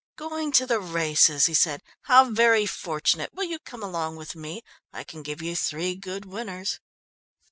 "Going to the races," he said, "how very fortunate! Will you come along with me? I can give you three good winners."